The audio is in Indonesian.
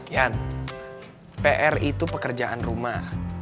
yan pr itu pekerjaan rumah